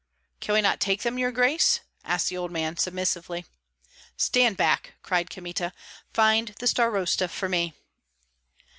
"Cannot we take them, your grace?" asked the old man, submissively. "Stand back!" cried Kmita. "Find the starosta for me."